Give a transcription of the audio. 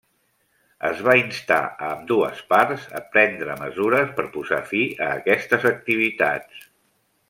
Es va instar a ambdues parts a prendre mesures per posar fi a aquestes activitats.